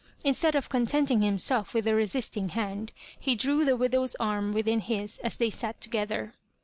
In stead of contenting himself with the resisting hand, he drew the widow's arm within his as they sat together.